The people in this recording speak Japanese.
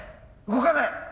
動かない！